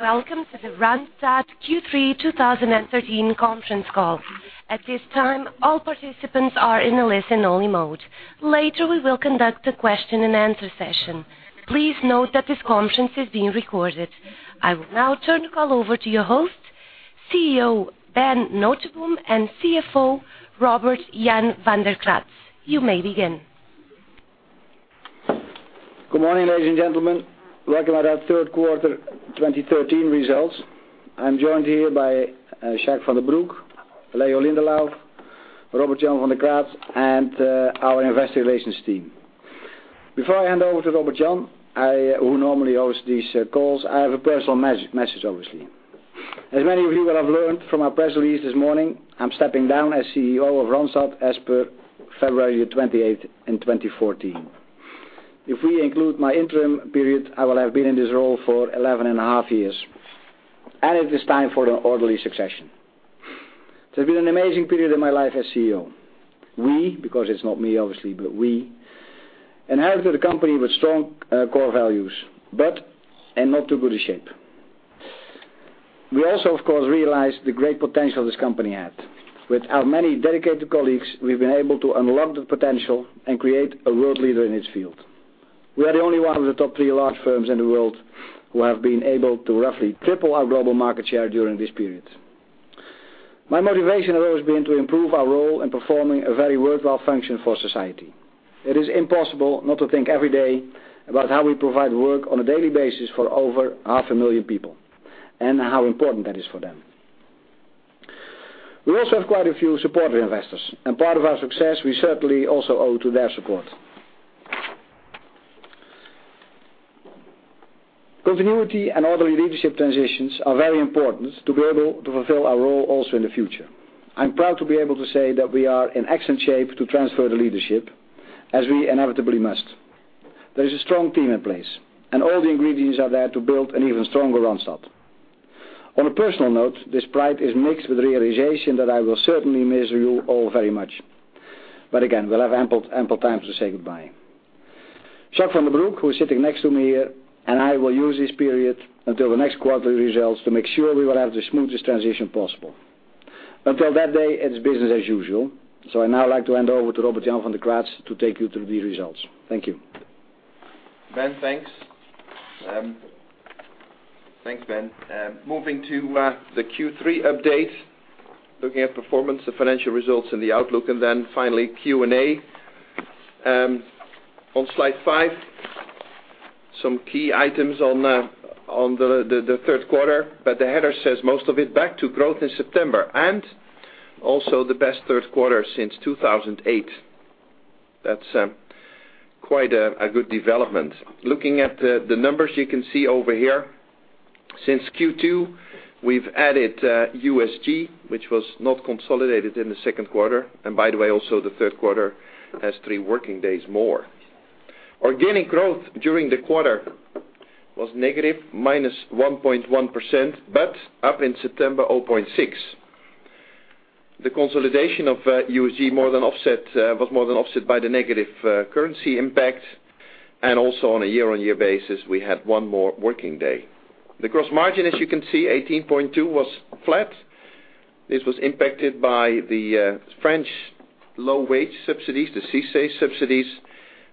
Welcome to the Randstad Q3 2013 conference call. At this time, all participants are in a listen-only mode. Later, we will conduct a question-and-answer session. Please note that this conference is being recorded. I will now turn the call over to your host, CEO Ben Noteboom and CFO Robert Jan van de Kraats. You may begin. Good morning, ladies and gentlemen. Welcome to our third quarter 2013 results. I'm joined here by Jack van den Broek, Leo Lindelauf, Robert Jan van de Kraats, and our investor relations team. Before I hand over to Robert Jan, who normally hosts these calls, I have a personal message, obviously. As many of you will have learned from our press release this morning, I'm stepping down as CEO of Randstad as per February 28th in 2014. If we include my interim period, I will have been in this role for 11 and a half years, and it is time for an orderly succession. It's been an amazing period in my life as CEO. We, because it's not me, obviously, but we, inherited a company with strong core values, but in not too good a shape. We also, of course, realized the great potential this company had. With our many dedicated colleagues, we've been able to unlock the potential and create a world leader in its field. We are the only one of the top three large firms in the world who have been able to roughly triple our global market share during this period. My motivation has always been to improve our role in performing a very worthwhile function for society. It is impossible not to think every day about how we provide work on a daily basis for over half a million people and how important that is for them. We also have quite a few supporter investors, and part of our success we certainly also owe to their support. Continuity and orderly leadership transitions are very important to be able to fulfill our role also in the future. I'm proud to be able to say that we are in excellent shape to transfer the leadership as we inevitably must. There is a strong team in place, and all the ingredients are there to build an even stronger Randstad. On a personal note, this pride is mixed with the realization that I will certainly miss you all very much. Again, we'll have ample time to say goodbye. Jack van den Broek, who is sitting next to me here, and I will use this period until the next quarterly results to make sure we will have the smoothest transition possible. Until that day, it's business as usual. I'd now like to hand over to Robert Jan van de Kraats to take you through the results. Thank you. Ben, thanks. Thanks, Ben. Moving to the Q3 update, looking at performance, the financial results, and the outlook, finally, Q&A. On slide five, some key items on the third quarter, the header says most of it back to growth in September and also the best third quarter since 2008. That's quite a good development. Looking at the numbers you can see over here, since Q2, we've added USG, which was not consolidated in the second quarter. The third quarter has three working days more. Organic growth during the quarter was negative -1.1%, up in September, 0.6%. The consolidation of USG was more than offset by the negative currency impact, on a year-on-year basis, we had one more working day. The gross margin, as you can see, 18.2% was flat. This was impacted by the French low-wage subsidies, the CICE subsidies,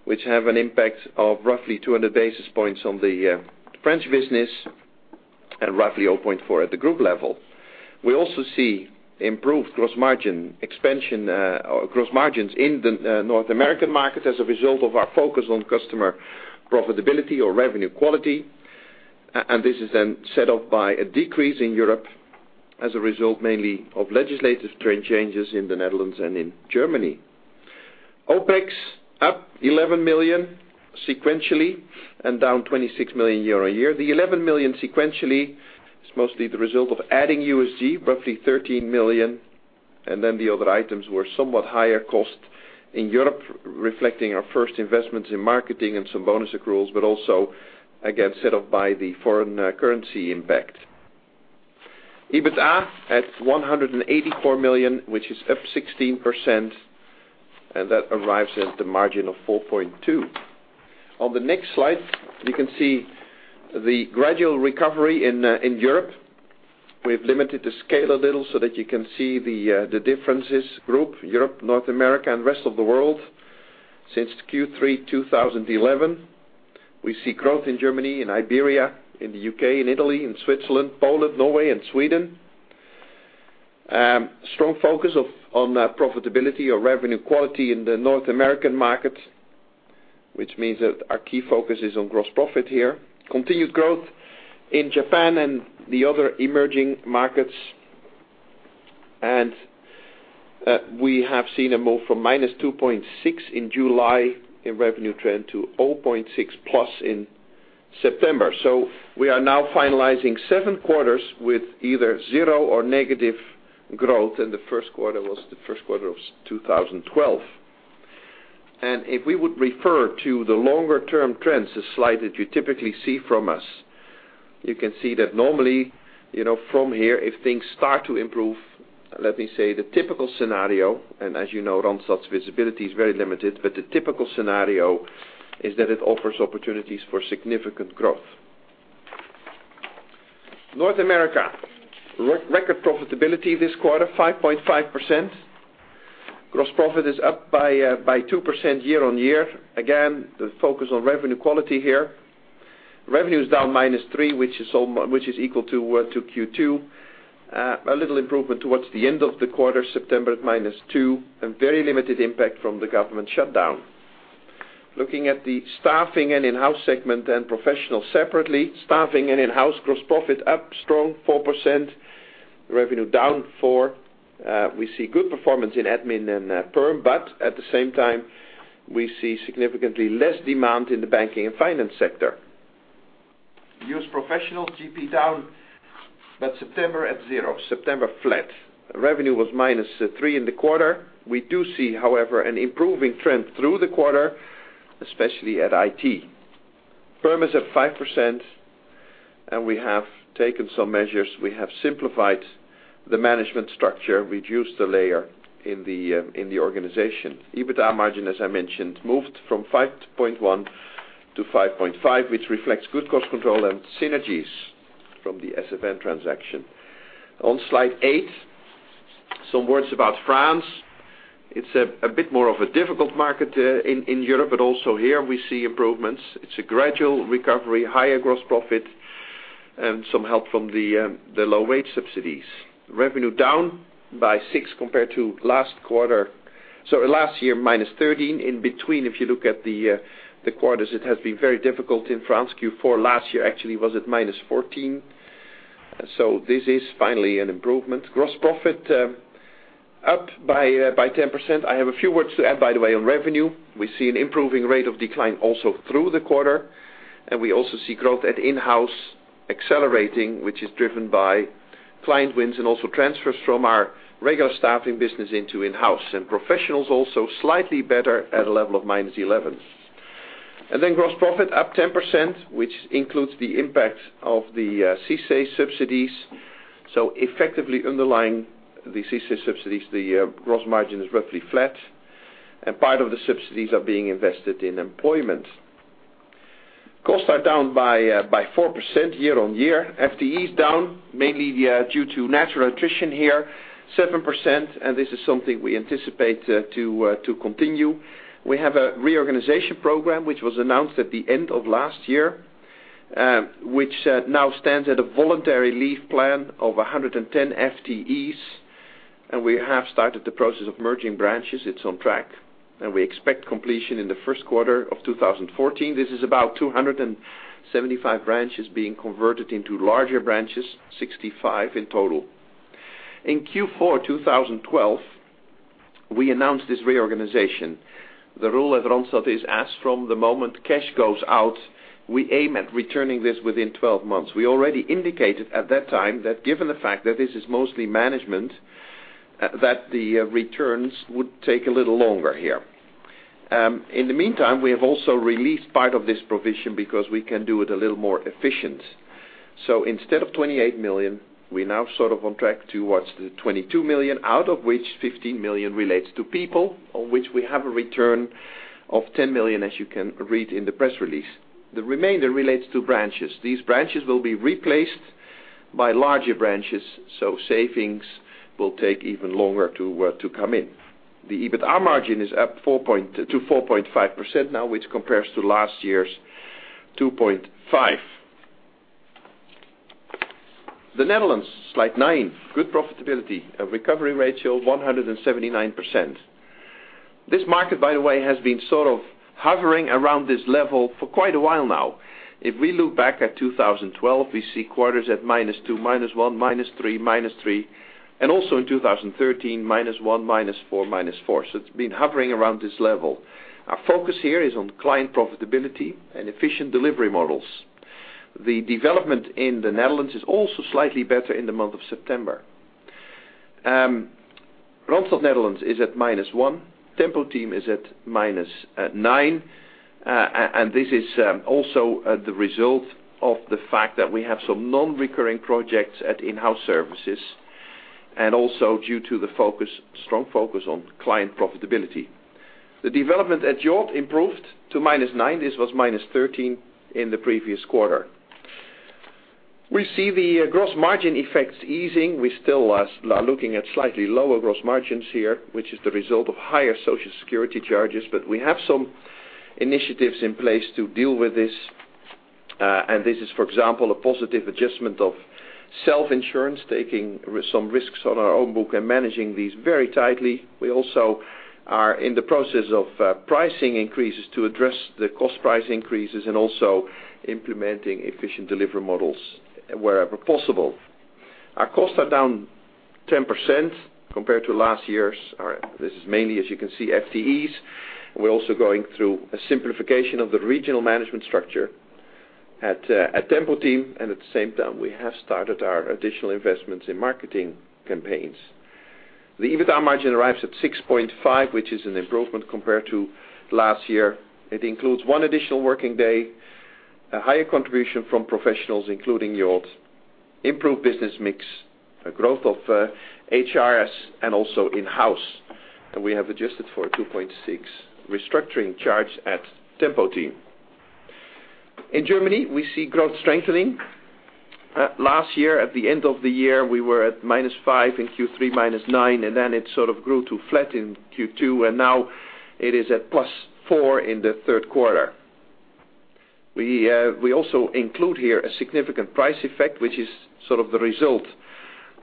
which have an impact of roughly 200 basis points on the French business and roughly 0.4% at the group level. We also see improved gross margin expansion or gross margins in the North American market as a result of our focus on customer profitability or revenue quality. This is set off by a decrease in Europe as a result mainly of legislative trend changes in the Netherlands and in Germany. OPEX up 11 million sequentially and down 26 million year-on-year. The 11 million sequentially is mostly the result of adding USG, roughly 13 million, the other items were somewhat higher cost in Europe, reflecting our first investments in marketing and some bonus accruals, set off by the foreign currency impact. EBITDA at 184 million, which is up 16%, arrives at the margin of 4.2%. On the next slide, you can see the gradual recovery in Europe. We've limited the scale a little so that you can see the differences group, Europe, North America, and rest of the world since Q3 2011. We see growth in Germany, in Iberia, in the U.K., in Italy, in Switzerland, Poland, Norway, and Sweden. Strong focus on profitability or revenue quality in the North American market, which means that our key focus is on gross profit here. Continued growth in Japan and the other emerging markets. We have seen a move from -2.6% in July in revenue trend to 0.6%+ in September. We are now finalizing seven quarters with either zero or negative growth, the first quarter was the first quarter of 2012. If we would refer to the longer-term trends, the slide that you typically see from us, you can see that normally, from here, if things start to improve, as you know, Randstad's visibility is very limited, the typical scenario is that it offers opportunities for significant growth. North America. Record profitability this quarter, 5.5%. Gross profit is up by 2% year-on-year. Again, the focus on revenue quality here. Revenue is down -3%, which is equal to Q2. A little improvement towards the end of the quarter, September at -2%, very limited impact from the government shutdown. Looking at the staffing and in-house segment and professional separately, staffing and in-house gross profit up strong 4%, revenue down 4%. We see good performance in admin and perm, but at the same time, we see significantly less demand in the banking and finance sector. U.S. professional GP down, but September at zero. September flat. Revenue was minus three in the quarter. We do see, however, an improving trend through the quarter, especially at IT. Firm is at 5%, and we have taken some measures. We have simplified the management structure, reduced a layer in the organization. EBITDA margin, as I mentioned, moved from 5.1% to 5.5%, which reflects good cost control and synergies from the SFN transaction. On slide eight, some words about France. It's a bit more of a difficult market in Europe, but also here we see improvements. It's a gradual recovery, higher gross profit, and some help from the low wage subsidies. Revenue down by six compared to last year, minus 13. In between, if you look at the quarters, it has been very difficult in France. Q4 last year actually was at minus 14. This is finally an improvement. Gross profit up by 10%. I have a few words to add, by the way, on revenue. We see an improving rate of decline also through the quarter, and we also see growth at in-house accelerating, which is driven by client wins and also transfers from our regular staffing business into in-house. Professionals also slightly better at a level of minus 11. Gross profit up 10%, which includes the impact of the CICE subsidies. Effectively underlying the CICE subsidies, the gross margin is roughly flat, and part of the subsidies are being invested in employment. Costs are down by 4% year-on-year. FTE is down mainly due to natural attrition here, 7%. This is something we anticipate to continue. We have a reorganization program which was announced at the end of last year, which now stands at a voluntary leave plan of 110 FTEs, and we have started the process of merging branches. It's on track, and we expect completion in the first quarter of 2014. This is about 275 branches being converted into larger branches, 65 in total. In Q4 2012, we announced this reorganization. The rule at Randstad is as from the moment cash goes out, we aim at returning this within 12 months. We already indicated at that time that given the fact that this is mostly management, that the returns would take a little longer here. In the meantime, we have also released part of this provision because we can do it a little more efficient. Instead of 28 million, we're now on track towards the 22 million, out of which 15 million relates to people, on which we have a return of 10 million, as you can read in the press release. The remainder relates to branches. These branches will be replaced by larger branches, savings will take even longer to come in. The EBITDA margin is up to 4.5% now, which compares to last year's 2.5%. The Netherlands, slide nine. Good profitability. A recovery ratio of 179%. This market, by the way, has been hovering around this level for quite a while now. If we look back at 2012, we see quarters at minus two, minus one, minus three, minus three. Also in 2013, minus one, minus four, minus four. It's been hovering around this level. Our focus here is on client profitability and efficient delivery models. The development in the Netherlands is also slightly better in the month of September. Randstad Netherlands is at -1. Tempo-Team is at -9. This is also the result of the fact that we have some non-recurring projects at in-house services, and also due to the strong focus on client profitability. The development at Yacht improved to -9. This was -13 in the previous quarter. We see the gross margin effects easing. We still are looking at slightly lower gross margins here, which is the result of higher Social Security charges, but we have some initiatives in place to deal with this. This is, for example, a positive adjustment of self-insurance, taking some risks on our own book and managing these very tightly. We also are in the process of pricing increases to address the cost price increases and also implementing efficient delivery models wherever possible. Our costs are down 10% compared to last year's. This is mainly, as you can see, FTEs. We're also going through a simplification of the regional management structure at Tempo-Team. At the same time, we have started our additional investments in marketing campaigns. The EBITDA margin arrives at 6.5%, which is an improvement compared to last year. It includes one additional working day. A higher contribution from professionals, including Yacht. Improved business mix, a growth of HRS and also in-house. We have adjusted for a 2.6% restructuring charge at Tempo-Team. In Germany, we see growth strengthening. Last year, at the end of the year, we were at -5, in Q3, -9, then it sort of grew to flat in Q2, and now it is at +4 in the third quarter. We also include here a significant price effect, which is sort of the result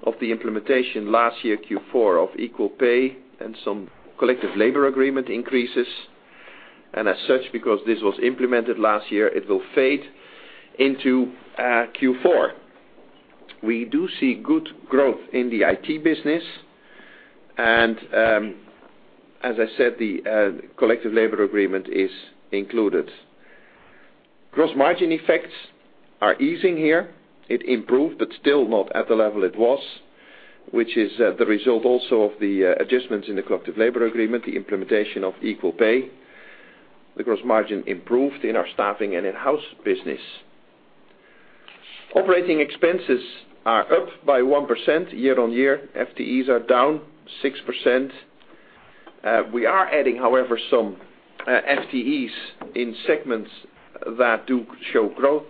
of the implementation last year, Q4, of equal pay and some collective labor agreement increases. As such, because this was implemented last year, it will fade into Q4. We do see good growth in the IT business. As I said, the collective labor agreement is included. Gross margin effects are easing here. It improved, but still not at the level it was, which is the result also of the adjustments in the collective labor agreement, the implementation of equal pay. The gross margin improved in our staffing and in-house business. Operating expenses are up by 1% year-on-year. FTEs are down 6%. We are adding, however, some FTEs in segments that do show growth.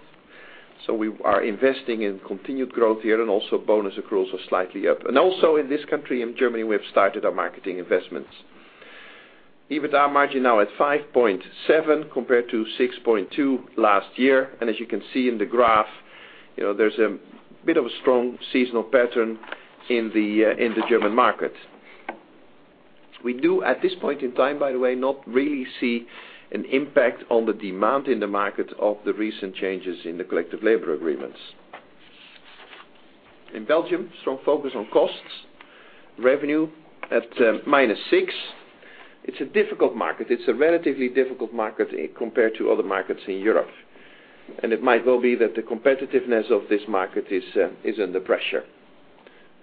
We are investing in continued growth here, and also bonus accruals are slightly up. Also, in this country, in Germany, we have started our marketing investments. EBITDA margin now at 5.7%, compared to 6.2% last year. As you can see in the graph, there's a bit of a strong seasonal pattern in the German market. We do, at this point in time, by the way, not really see an impact on the demand in the market of the recent changes in the collective labor agreements. In Belgium, strong focus on costs. Revenue at -6%. It's a difficult market. It's a relatively difficult market compared to other markets in Europe. It might well be that the competitiveness of this market is under pressure.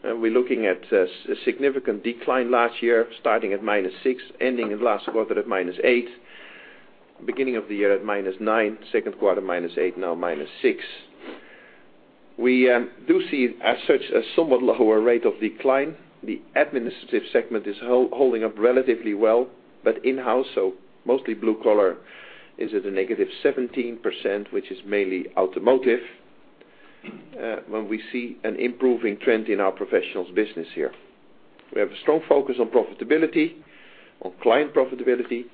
We're looking at a significant decline last year, starting at -6%, ending in last quarter at -8%, beginning of the year at -9%, second quarter, -8%, now -6%. We do see, as such, a somewhat lower rate of decline. The administrative segment is holding up relatively well, but in-house, so mostly blue collar, is at a -17%, which is mainly automotive. When we see an improving trend in our professionals business here. We have a strong focus on profitability, on client profitability,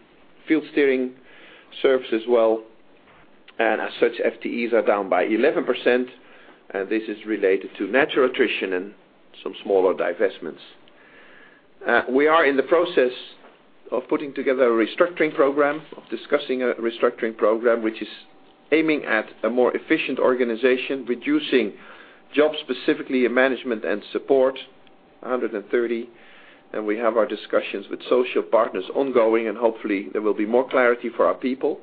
field steering service as well. As such, FTEs are down by 11%, and this is related to natural attrition and some smaller divestments. We are in the process of putting together a restructuring program, of discussing a restructuring program, which is aiming at a more efficient organization, reducing jobs, specifically in management and support, 130. We have our discussions with social partners ongoing, hopefully, there will be more clarity for our people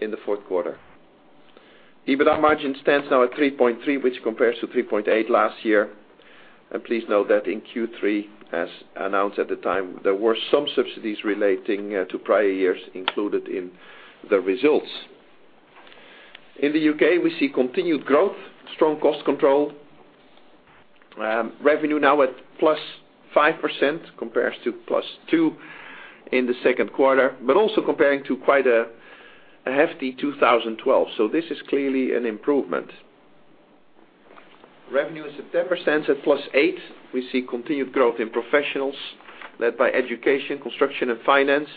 in the fourth quarter. EBITDA margin stands now at 3.3%, which compares to 3.8% last year. Please note that in Q3, as announced at the time, there were some subsidies relating to prior years included in the results. In the U.K., we see continued growth, strong cost control. Revenue now at +5%, compares to +2% in the second quarter, also comparing to quite a hefty 2012. This is clearly an improvement. Revenue is at 10%, so +8%. We see continued growth in professionals, led by education, construction, and finance.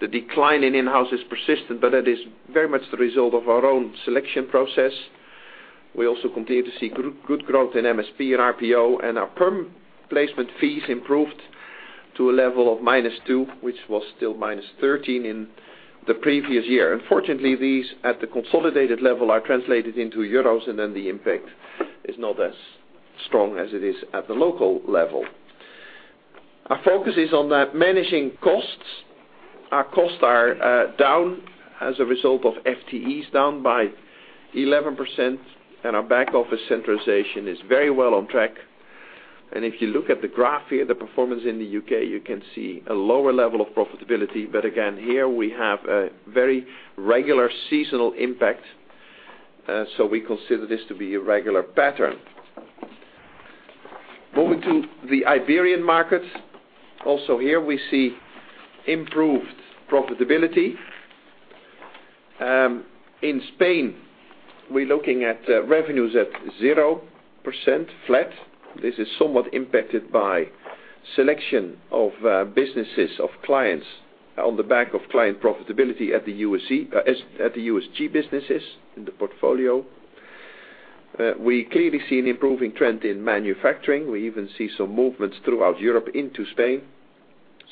The decline in in-house is persistent, that is very much the result of our own selection process. We also continue to see good growth in MSP and RPO, our perm placement fees improved to a level of -2%, which was still -13% in the previous year. Unfortunately, these, at the consolidated level, are translated into EUR, then the impact is not as strong as it is at the local level. Our focus is on managing costs. Our costs are down as a result of FTEs down by 11%, our back office centralization is very well on track. If you look at the graph here, the performance in the U.K., you can see a lower level of profitability. Again, here we have a very regular seasonal impact. We consider this to be a regular pattern. Moving to the Iberian market. Also here, we see improved profitability. In Spain, we're looking at revenues at 0%, flat. This is somewhat impacted by selection of businesses, of clients, on the back of client profitability at the USG businesses in the portfolio. We clearly see an improving trend in manufacturing. We even see some movements throughout Europe into Spain.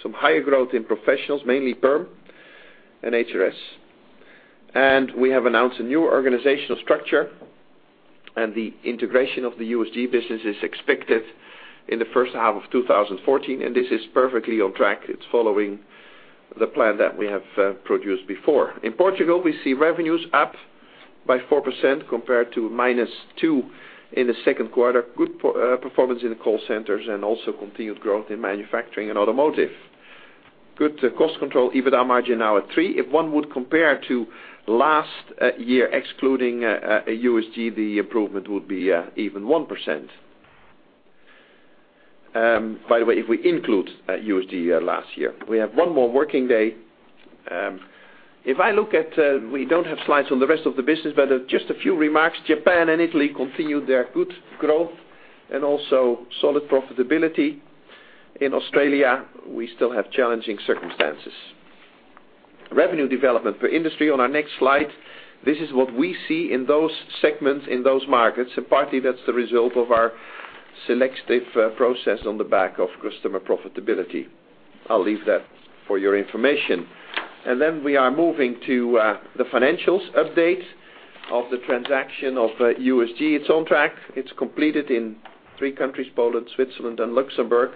Some higher growth in professionals, mainly perm and HRS. We have announced a new organizational structure, the integration of the USG business is expected in the first half of 2014, this is perfectly on track. It's following the plan that we have produced before. In Portugal, we see revenues up by 4% compared to -2% in the second quarter. Good performance in the call centers and also continued growth in manufacturing and automotive. Good cost control, EBITA margin now at 3%. If one would compare to last year, excluding USG, the improvement would be even 1%. By the way, if we include USG last year. We have one more working day. We don't have slides on the rest of the business, but just a few remarks. Japan and Italy continued their good growth and also solid profitability. In Australia, we still have challenging circumstances. Revenue development per industry on our next slide. This is what we see in those segments, in those markets, and partly that's the result of our selective process on the back of customer profitability. I'll leave that for your information. We are moving to the financials update of the transaction of USG. It's on track. It's completed in three countries, Poland, Switzerland, and Luxembourg.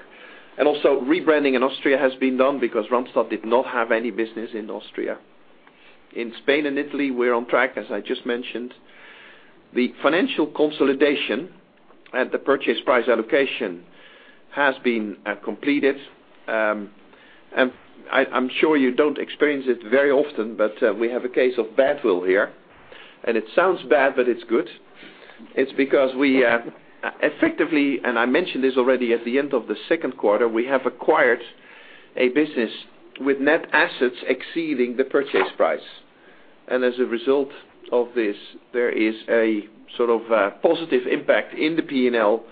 Rebranding in Austria has been done because Randstad did not have any business in Austria. In Spain and Italy, we're on track, as I just mentioned. The financial consolidation and the purchase price allocation has been completed. I'm sure you don't experience it very often, but we have a case of goodwill here, and it sounds bad, but it's good. It's because we effectively, and I mentioned this already at the end of the second quarter, we have acquired a business with net assets exceeding the purchase price. As a result of this, there is a sort of positive impact in the P&L,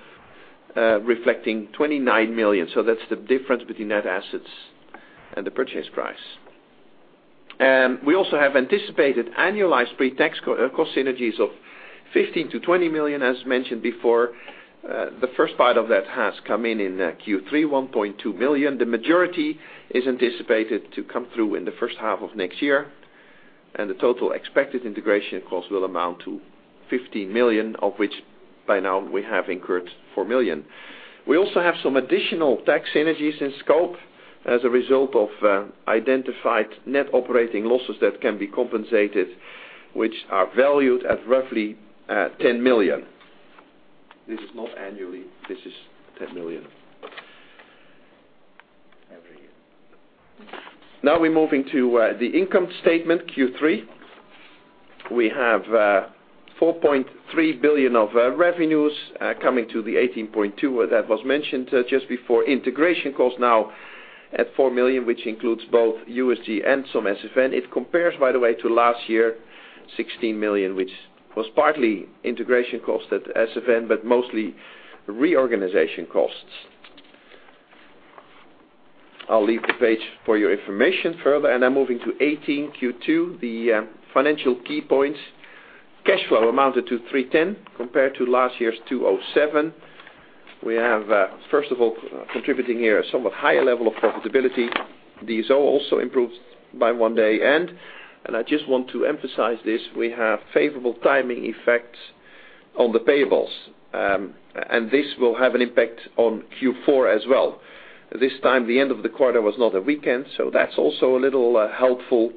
reflecting 29 million. That's the difference between net assets and the purchase price. We also have anticipated annualized pre-tax cost synergies of 15 million-20 million, as mentioned before. The first part of that has come in in Q3, 1.2 million. The majority is anticipated to come through in the first half of next year, and the total expected integration cost will amount to 15 million, of which by now we have incurred 4 million. We also have some additional tax synergies in scope as a result of identified net operating losses that can be compensated, which are valued at roughly 10 million. This is not annually, this is 10 million every year. We're moving to the income statement, Q3. We have 4.3 billion of revenues coming to the 18.2 that was mentioned just before. Integration cost now at 4 million, which includes both USG and some SFN. It compares, by the way, to last year, 16 million, which was partly integration cost at SFN, but mostly reorganization costs. I'll leave the page for your information further, and I'm moving to 18, Q2, the financial key points. Cash flow amounted to 310 compared to last year's 207. We have, first of all, contributing here a somewhat higher level of profitability. DSO also improved by one day. I just want to emphasize this, we have favorable timing effects on the payables. This will have an impact on Q4 as well. This time, the end of the quarter was not a weekend, so that's also a little helpful.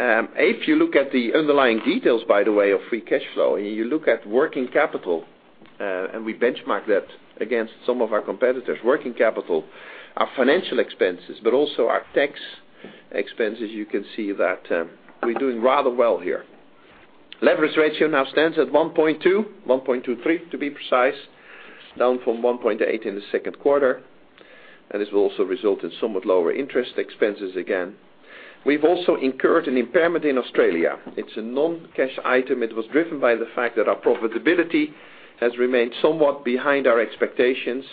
If you look at the underlying details, by the way, of free cash flow, and you look at working capital, and we benchmark that against some of our competitors' working capital, our financial expenses, but also our tax expenses, you can see that we're doing rather well here. Leverage ratio now stands at 1.2, 1.23 to be precise, down from 1.8 in the second quarter. This will also result in somewhat lower interest expenses again. We've also incurred an impairment in Australia. It's a non-cash item. It was driven by the fact that our profitability has remained somewhat behind our expectations,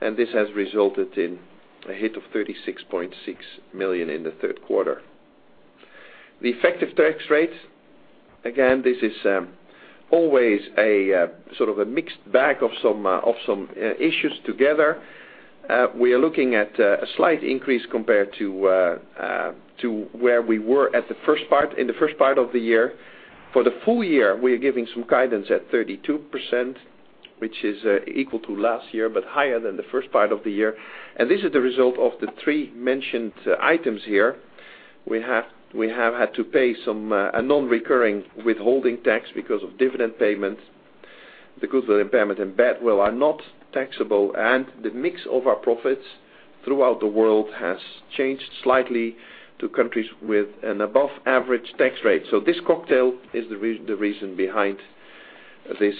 and this has resulted in a hit of 36.6 million in the third quarter. The effective tax rate, again, this is always a sort of a mixed bag of some issues together. We are looking at a slight increase compared to where we were in the first part of the year. For the full year, we are giving some guidance at 32%, which is equal to last year but higher than the first part of the year. This is the result of the three mentioned items here. We have had to pay a non-recurring withholding tax because of dividend payments. The goodwill impairment and bad will are not taxable. The mix of our profits throughout the world has changed slightly to countries with an above average tax rate. This cocktail is the reason behind this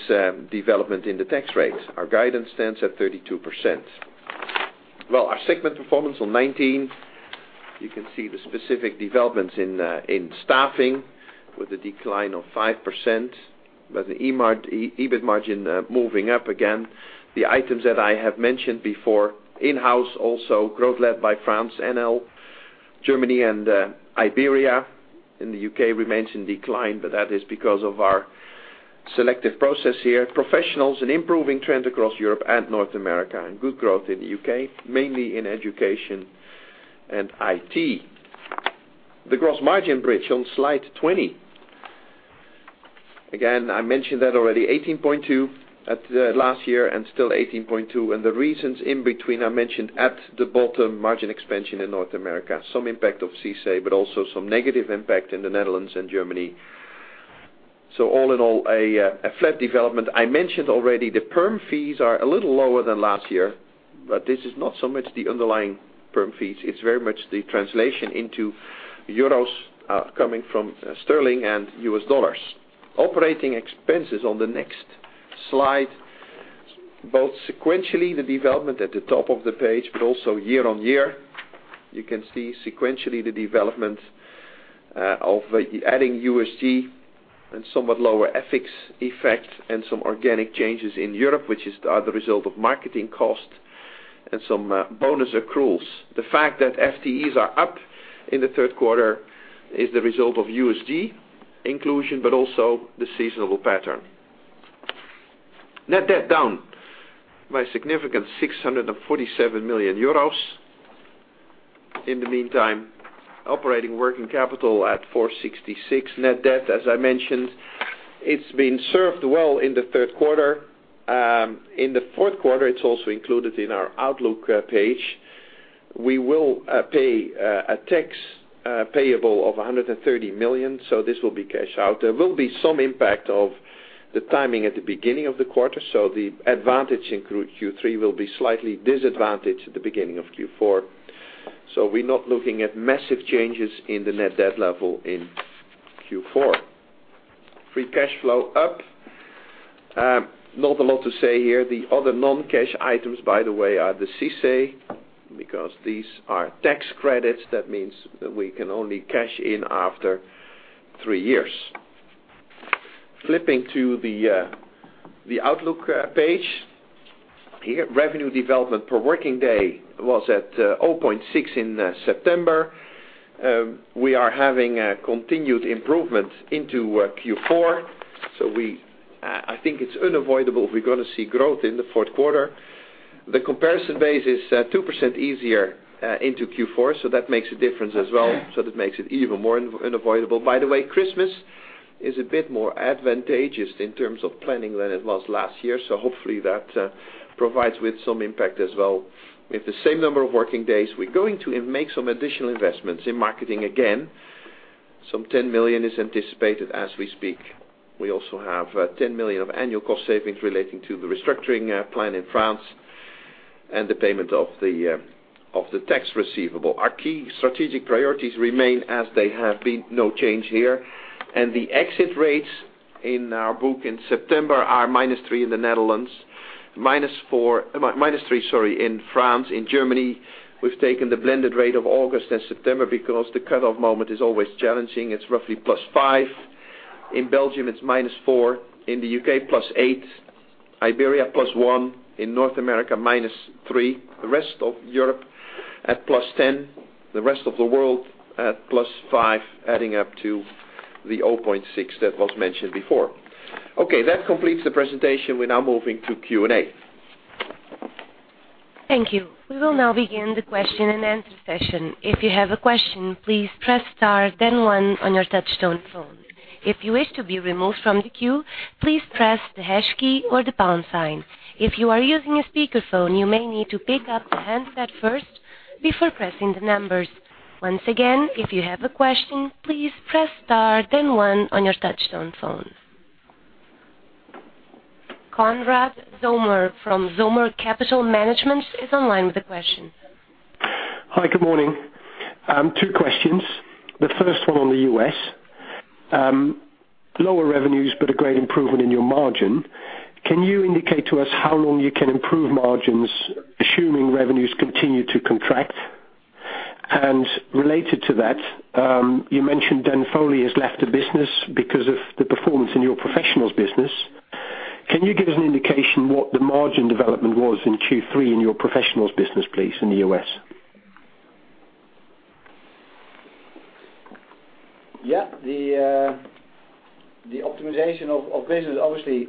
development in the tax rate. Our guidance stands at 32%. Our segment performance on slide 19. You can see the specific developments in staffing with a decline of 5%, with the EBIT margin moving up again. The items that I have mentioned before, in-house also growth led by France, NL, Germany, and Iberia. The U.K. remains in decline, but that is because of our selective process here. Professionals, an improving trend across Europe and North America, and good growth in the U.K., mainly in education and IT. The gross margin bridge on slide 20. Again, I mentioned that already, 18.2% at last year and still 18.2%. The reasons in between are mentioned at the bottom, margin expansion in North America. Some impact of CICE, but also some negative impact in the Netherlands and Germany. All in all, a flat development. I mentioned already the perm fees are a little lower than last year, but this is not so much the underlying perm fees. It's very much the translation into EUR coming from GBP and US dollars. Operating expenses on the next slide, both sequentially, the development at the top of the page, but also year-over-year. You can see sequentially the development of adding USD and somewhat lower FX effect and some organic changes in Europe, which are the result of marketing costs and some bonus accruals. The fact that FTEs are up in the third quarter is the result of USD inclusion, but also the seasonal pattern. Net debt down by significant 647 million euros. In the meantime, operating working capital at 466. Net debt, as I mentioned, it's been served well in the third quarter. In the fourth quarter, it's also included in our outlook page. We will pay a tax payable of 130 million, so this will be cash out. There will be some impact of the timing at the beginning of the quarter, so the advantage in Q3 will be slightly disadvantaged at the beginning of Q4. We're not looking at massive changes in the net debt level in Q4. Free cash flow up. Not a lot to say here. The other non-cash items, by the way, are the CICE, because these are tax credits. That means that we can only cash in after three years. Flipping to the outlook page. Here, revenue development per working day was at 0.6% in September. We are having a continued improvement into Q4. I think it's unavoidable we're going to see growth in the fourth quarter. The comparison base is 2% easier into Q4, that makes a difference as well, that makes it even more unavoidable. By the way, Christmas is a bit more advantageous in terms of planning than it was last year, hopefully that provides with some impact as well. With the same number of working days, we're going to make some additional investments in marketing again. 10 million is anticipated as we speak. We also have 10 million of annual cost savings relating to the restructuring plan in France and the payment of the tax receivable. Our key strategic priorities remain as they have been, no change here. The exit rates in our book in September are -3% in France. In Germany, we've taken the blended rate of August and September because the cutoff moment is always challenging. It's roughly +5%. In Belgium, it's -4%, in the U.K., +8%, Iberia, +1%, in North America, -3%, the rest of Europe at +10%, the rest of the world at +5%, adding up to the 0.6% that was mentioned before. That completes the presentation. We're now moving to Q&A. Thank you. We will now begin the question and answer session. If you have a question, please press star then one on your touchtone phone. If you wish to be removed from the queue, please press the hash key or the pound sign. If you are using a speakerphone, you may need to pick up the handset first before pressing the numbers. Once again, if you have a question, please press star then one on your touchtone phone. Konrad Zomer from [Zimmer Capital Management] is online with a question. Hi, good morning. Two questions. The first one on the U.S. Lower revenues, a great improvement in your margin. Can you indicate to us how long you can improve margins, assuming revenues continue to contract? Related to that, you mentioned Daniel Foley has left the business because of the performance in your professionals business. Can you give us an indication what the margin development was in Q3 in your professionals business, please, in the U.S.? The optimization of business, obviously,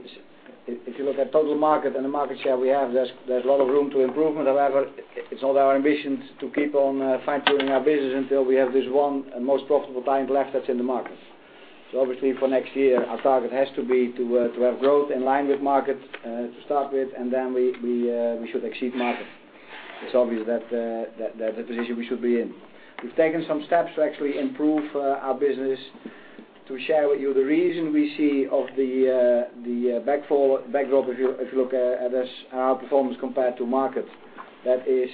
if you look at total market and the market share we have, there is a lot of room for improvement. However, it is not our ambition to keep on fine-tuning our business until we have this one most profitable client left that is in the market. Obviously, for next year, our target has to be to have growth in line with market to start with, and then we should exceed market. It is obvious that is the position we should be in. We have taken some steps to actually improve our business. To share with you the reason we see for the backdrop, if you look at our performance compared to market. That is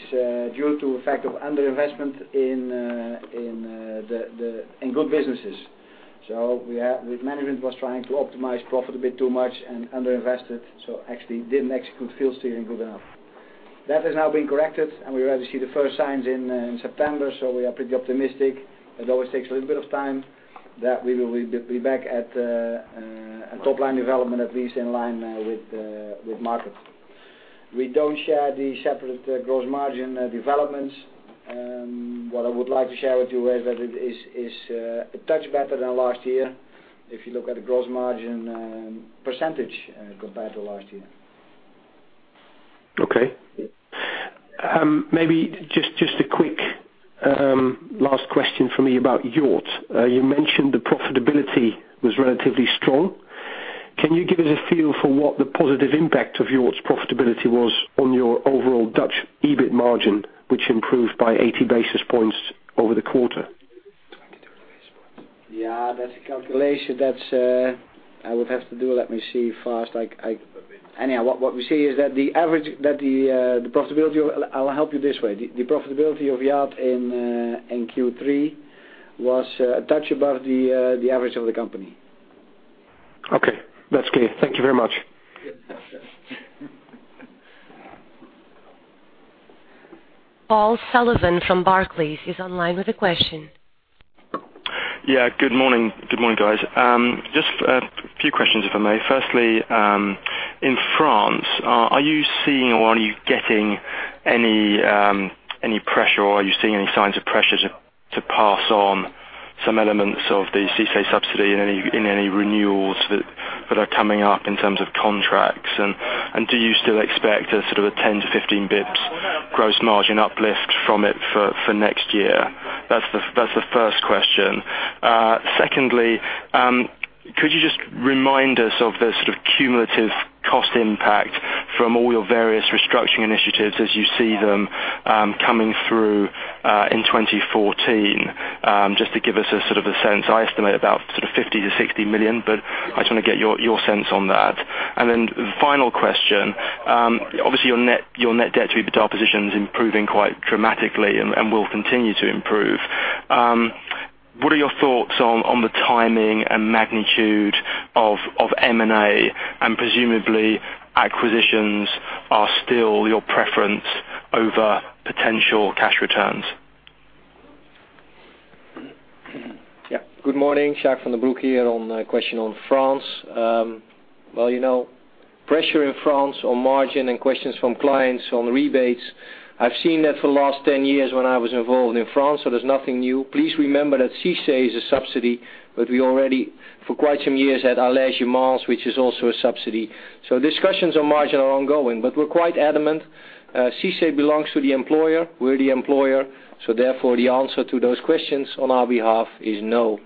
due to effect of underinvestment in good businesses. Management was trying to optimize profit a bit too much and underinvested, so actually did not execute field steering good enough. That has now been corrected, and we already see the first signs in September, so we are pretty optimistic. It always takes a little bit of time that we will be back at top-line development, at least in line with market. We do not share the separate gross margin developments. What I would like to share with you is that it is a touch better than last year. If you look at the gross margin percentage compared to last year. Okay. Maybe just a quick last question from me about Yacht. You mentioned the profitability was relatively strong. Can you give us a feel for what the positive impact of your profitability was on your overall Dutch EBIT margin, which improved by 80 basis points over the quarter? That is a calculation that I would have to do. Let me see fast. Anyhow, what we see is that the profitability. I will help you this way. The profitability of Yacht in Q3 was a touch above the average of the company. Okay. That's clear. Thank you very much. Paul Sullivan from Barclays is online with a question. Yeah. Good morning, guys. Just a few questions, if I may. Firstly, in France, are you seeing or are you getting any pressure, or are you seeing any signs of pressure to pass on some elements of the CICE subsidy in any renewals that are coming up in terms of contracts? Do you still expect a sort of a 10 to 15 basis points gross margin uplift from it for next year? That's the first question. Secondly, could you just remind us of the sort of cumulative cost impact from all your various restructuring initiatives as you see them coming through in 2014? Just to give us a sort of a sense. I estimate about sort of 50 million-60 million, but I just want to get your sense on that. Final question. Obviously, your net debt to EBITDA position is improving quite dramatically and will continue to improve. What are your thoughts on the timing and magnitude of M&A? Presumably acquisitions are still your preference over potential cash returns? Yeah. Good morning. Sjaak van den Broek here on the question on France. Pressure in France on margin and questions from clients on rebates, I've seen that for the last ten years when I was involved in France, there's nothing new. Please remember that CICE is a subsidy, but we already, for quite some years, had Allègements, which is also a subsidy. Discussions on margin are ongoing, but we're quite adamant. CICE belongs to the employer. We're the employer. Therefore, the answer to those questions on our behalf is no.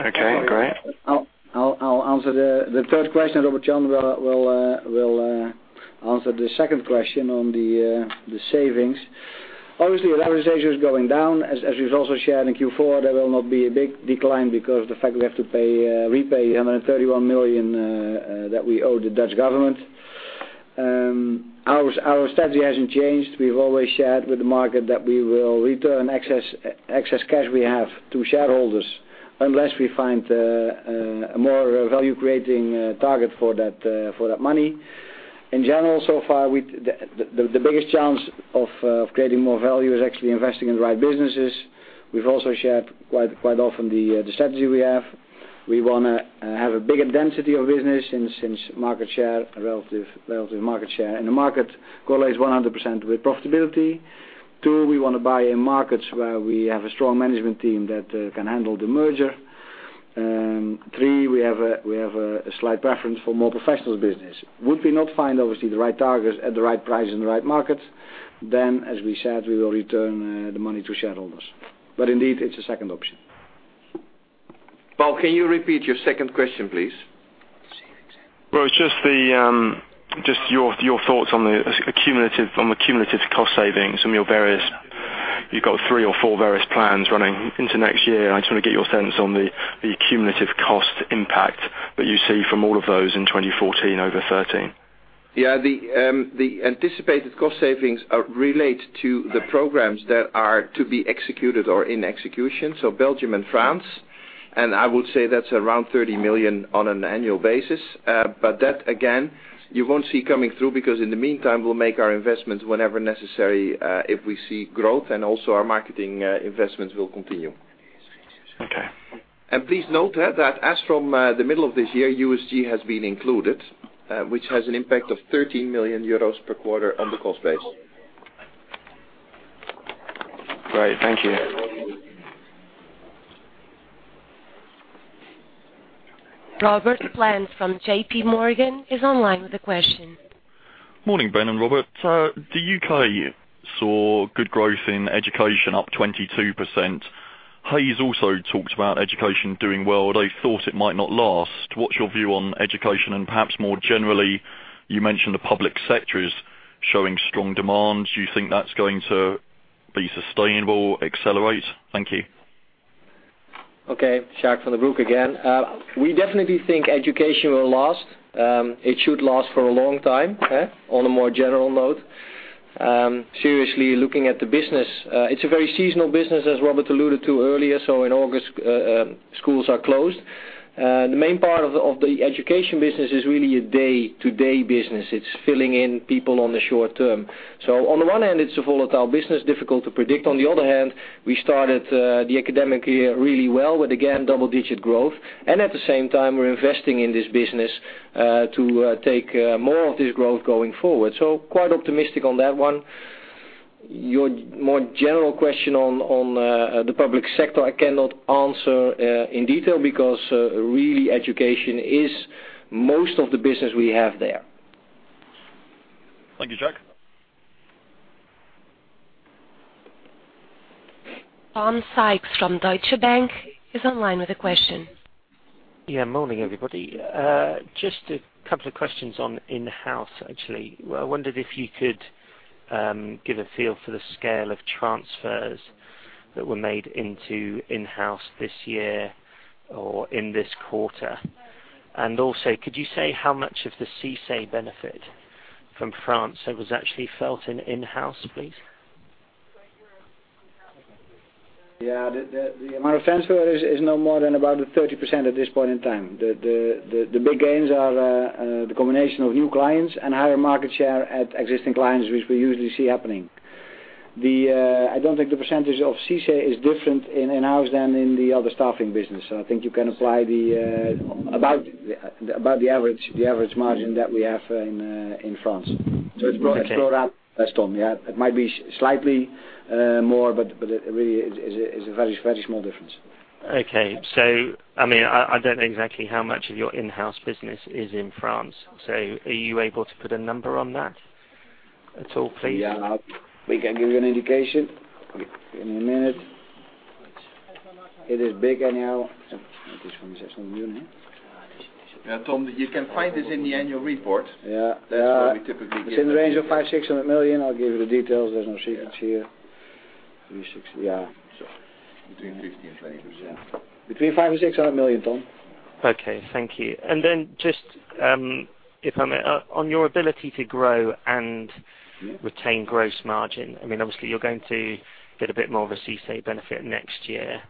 Okay, great. I'll answer the third question, Robert Jan will answer the second question on the savings. Obviously, the leverage ratio is going down. As we've also shared in Q4, there will not be a big decline because of the fact we have to repay 131 million that we owe the Dutch government. Our strategy hasn't changed. We've always shared with the market that we will return excess cash we have to shareholders unless we find a more value-creating target for that money. In general, so far, the biggest chance of creating more value is actually investing in the right businesses. We've also shared quite often the strategy we have. We want to have a bigger density of business since market share, relative market share, and the market correlates 100% with profitability. Two, we want to buy in markets where we have a strong management team that can handle the merger. Three, we have a slight preference for more Professionals business. Would we not find, obviously, the right targets at the right price in the right market, as we said, we will return the money to shareholders. Indeed, it's a second option. Paul, can you repeat your second question, please? Well, it's just your thoughts on the cumulative cost savings from your various-- You've got three or four various plans running into next year, and I just want to get your sense on the cumulative cost impact that you see from all of those in 2014 over 2013. Yeah. The anticipated cost savings relate to the programs that are to be executed or in execution. Belgium and France, I would say that's around 30 million on an annual basis. That, again, you won't see coming through because in the meantime, we'll make our investments whenever necessary if we see growth, also our marketing investments will continue. Okay. Please note that as from the middle of this year, USG has been included, which has an impact of €13 million per quarter on the cost base. Great. Thank you. Robert Plant from JP Morgan is online with a question. Morning, Ben and Robert. The U.K. saw good growth in education, up 22%. Hays also talked about education doing well. They thought it might not last. What's your view on education? Perhaps more generally, you mentioned the public sector is showing strong demand. Do you think that's going to be sustainable, accelerate? Thank you. Okay. Sjaak van den Broek again. We definitely think education will last. It should last for a long time, on a more general note. Seriously, looking at the business, it's a very seasonal business, as Robert alluded to earlier. In August, schools are closed. The main part of the education business is really a day-to-day business. It's filling in people on the short term. On the one hand, it's a volatile business, difficult to predict. On the other hand, we started the academic year really well with, again, double-digit growth, and at the same time, we're investing in this business to take more of this growth going forward. Quite optimistic on that one. Your more general question on the public sector, I cannot answer in detail because really education is most of the business we have there. Thank you, Sjaak. Tom Sykes from Deutsche Bank is online with a question. Yeah. Morning, everybody. Just a couple of questions on in-house, actually. I wondered if you could give a feel for the scale of transfers that were made into in-house this year or in this quarter. Also, could you say how much of the CICE benefit from France that was actually felt in in-house, please? Yeah. The amount of transfer is no more than about 30% at this point in time. The big gains are the combination of new clients and higher market share at existing clients, which we usually see happening. I don't think the percentage of CICE is different in in-house than in the other staffing business. I think you can apply about the average margin that we have in France. Okay. It's brought up. That's Tom, yeah. It might be slightly more, it really is a very small difference. Okay. I don't know exactly how much of your in-house business is in France. Are you able to put a number on that at all, please? Yeah. We can give you an indication in a minute. It is big anyhow. It is from EUR 600 million, huh? Yeah, Tom, you can find this in the annual report. Yeah. That's where we typically give that. It's in the range of 500 million-600 million. I'll give you the details. There's no secrets here. 360. Yeah. Between 15% and 20%. Between 500 million and 600 million, Tom. Okay, thank you. Then just, if I may, on your ability to grow and retain gross margin, obviously, you're going to get a bit more of a CICE benefit next year.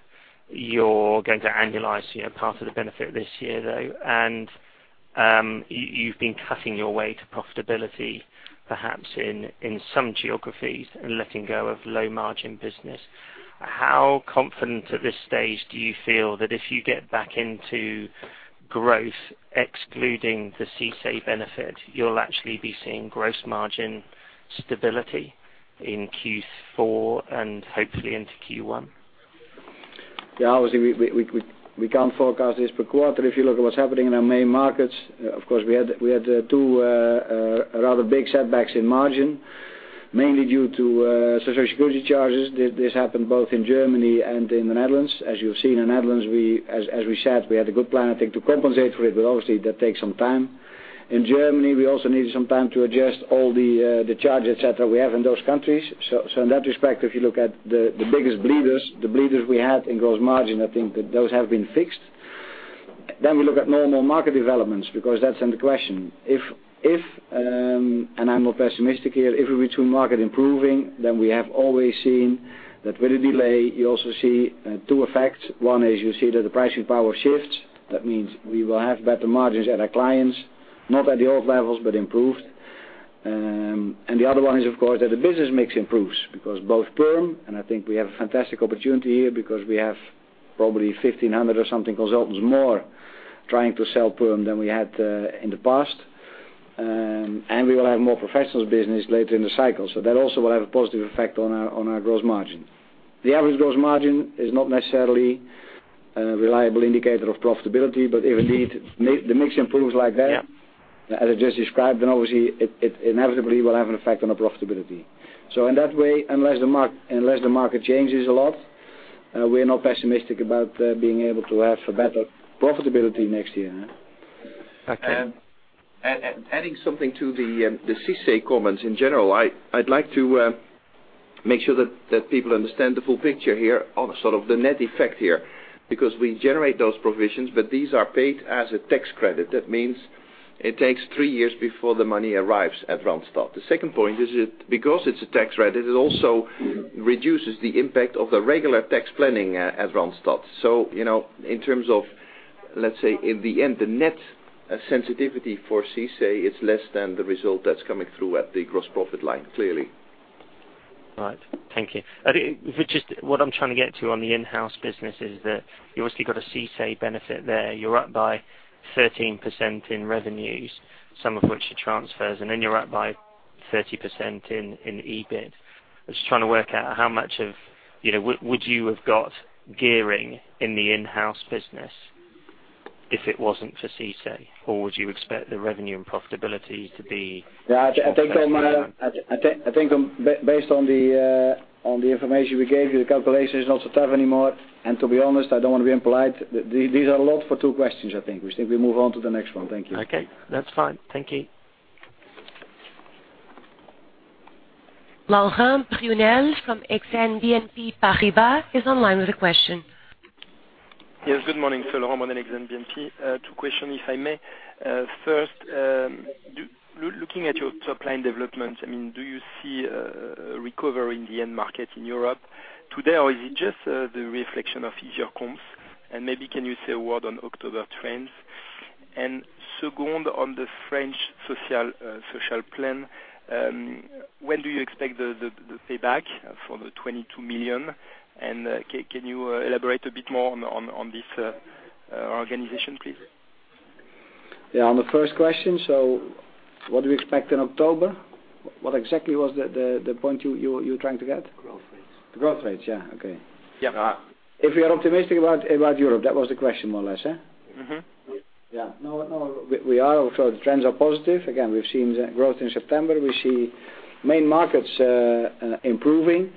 You're going to annualize part of the benefit this year, though. You've been cutting your way to profitability, perhaps in some geographies and letting go of low-margin business. How confident at this stage do you feel that if you get back into growth excluding the CICE benefit, you'll actually be seeing gross margin stability in Q4 and hopefully into Q1? Obviously, we can't forecast this per quarter. If you look at what's happening in our main markets, of course, we had two rather big setbacks in margin, mainly due to Social Security charges. This happened both in Germany and in the Netherlands. As you have seen in Netherlands, as we said, we had a good plan, I think, to compensate for it, but obviously, that takes some time. In Germany, we also needed some time to adjust all the charges, et cetera, we have in those countries. In that respect, if you look at the biggest bleeders, the bleeders we had in gross margin, I think that those have been fixed. Then we look at normal market developments, because that's in the question. If, and I'm not pessimistic here, if we return market improving, then we have always seen that with a delay, you also see two effects. One is you see that the pricing power shifts. That means we will have better margins at our clients, not at the old levels, but improved. The other one is, of course, that the business mix improves because both perm, and I think we have a fantastic opportunity here because we have probably 1,500 or something consultants more trying to sell perm than we had in the past. We will have more professionals business later in the cycle. That also will have a positive effect on our gross margin. The average gross margin is not necessarily a reliable indicator of profitability, but if indeed the mix improves like that. Yeah As I just described, obviously it inevitably will have an effect on our profitability. In that way, unless the market changes a lot, we're not pessimistic about being able to have a better profitability next year. Thank you. Adding something to the CICE comments in general, I'd like to make sure that people understand the full picture here of sort of the net effect here. We generate those provisions, but these are paid as a tax credit. That means it takes 3 years before the money arrives at Randstad. The second point is because it's a tax credit, it also reduces the impact of the regular tax planning at Randstad. In terms of, let's say, in the end, the net sensitivity for CICE is less than the result that's coming through at the Gross Profit line, clearly. Right. Thank you. I think, what I'm trying to get to on the in-house business is that you obviously got a CICE benefit there. You're up by 13% in revenues, some of which are transfers, then you're up by 30% in EBIT. I was trying to work out Would you have got gearing in the in-house business if it wasn't for CICE? Or would you expect the revenue and profitability to be- Yeah, I think based on the information we gave you, the calculation is not so tough anymore. To be honest, I don't want to be impolite. These are a lot for two questions, I think. We think we move on to the next one. Thank you. Okay. That's fine. Thank you. Laurent Brunelle from Exane BNP Paribas is online with a question. Yes, good morning. Laurent with Exane BNP. Two question, if I may. First, looking at your top-line development, do you see a recovery in the end market in Europe today, or is it just the reflection of easier comps? Maybe can you say a word on October trends? Second, on the French social plan, when do you expect the payback for the 22 million? Can you elaborate a bit more on this organization, please? On the first question, what do we expect in October? What exactly was the point you were trying to get? The growth rates? Okay. Yeah. If we are optimistic about Europe, that was the question more or less, huh? Yeah. We are. The trends are positive. Again, we've seen growth in September. We see main markets improving,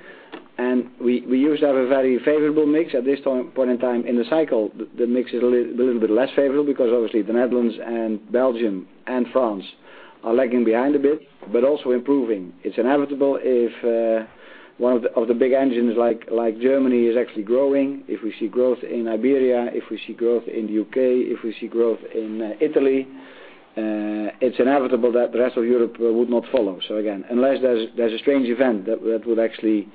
and we used to have a very favorable mix. At this point in time in the cycle, the mix is a little bit less favorable because obviously the Netherlands and Belgium and France are lagging behind a bit, but also improving. It's inevitable if one of the big engines like Germany is actually growing. If we see growth in Iberia, if we see growth in the U.K., if we see growth in Italy, it's inevitable that the rest of Europe would not follow. Again, unless there's a strange event that would actually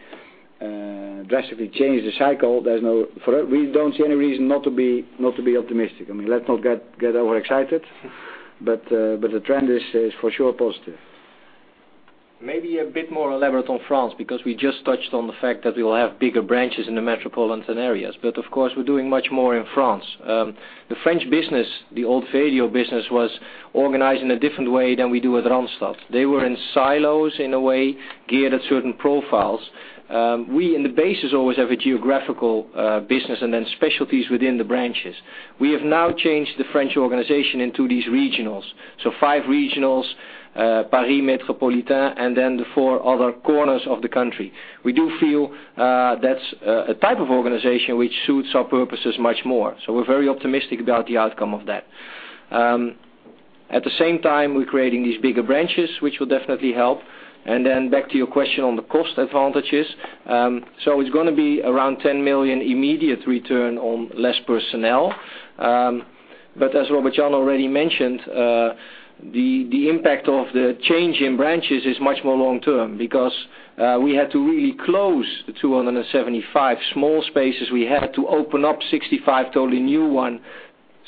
drastically change the cycle, we don't see any reason not to be optimistic. Let's not get overexcited, the trend is for sure positive. Maybe a bit more elaborate on France, because we just touched on the fact that we will have bigger branches in the metropolitan areas. Of course, we're doing much more in France. The French business, the old Vedior business, was organized in a different way than we do at Randstad. They were in silos, in a way, geared at certain profiles. We, in the bases, always have a geographical business and then specialties within the branches. We have now changed the French organization into these regionals. Five regionals, Paris Metropolitan, and then the four other corners of the country. We do feel that's a type of organization which suits our purposes much more. We're very optimistic about the outcome of that. At the same time, we're creating these bigger branches, which will definitely help. Back to your question on the cost advantages. It's going to be around 10 million immediate return on less personnel. As Robert Jan already mentioned, the impact of the change in branches is much more long-term, because we had to really close the 275 small spaces. We had to open up 65 totally new ones.